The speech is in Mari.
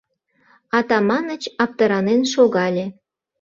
Атаманыч аптыранен шогале.